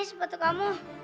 ini sepatu kamu